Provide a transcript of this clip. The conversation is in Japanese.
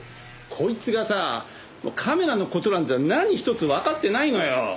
こいつがさカメラの事なんざ何ひとつわかってないのよ。